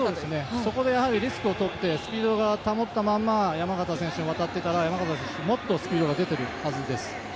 そこでリスクをとってスピードを保ったまま山縣選手がいければもっとスピードが出ているはずです。